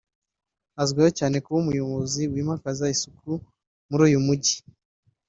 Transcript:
Azwiho cyane kuba umuyobozi wimakaza isuku muri uyu mujyi